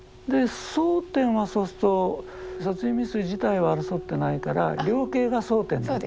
争点はそうすると殺人未遂自体は争ってないから量刑が争点だったんですね。